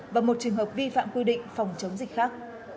và một trường hợp vi phạm quy định phòng chống dịch khác